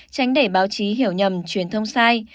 tránh để báo chí hiểu nhầm truyền thông sai